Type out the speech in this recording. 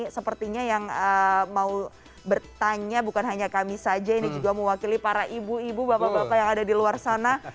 sepertinya yang mau bertanya bukan hanya kami saja ini juga mewakili para ibu ibu bapak bapak yang ada di luar sana